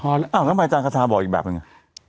อ้าวแล้วทำไมจานกระทะบอกอีกแบบนึง